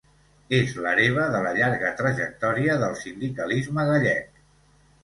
És l'hereva de la llarga trajectòria del sindicalisme gallec.